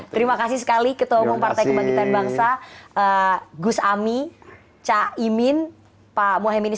terima kasih sekali ketua umum partai kebangkitan bangsa gus ami cahimin pak mohamad iskandar